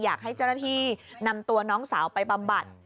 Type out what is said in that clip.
อยากให้เจ้าหน้าที่นำตัวน้องสาวไปบำบัด